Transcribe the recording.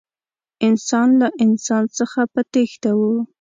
انسان له انسان څخه په تېښته و.